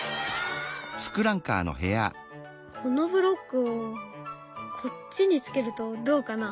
このブロックをこっちにつけるとどうかな？